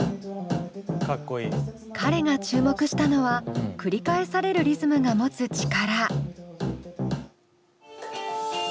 彼が注目したのは繰り返されるリズムが持つ力。